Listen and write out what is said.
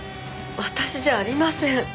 私じゃありません。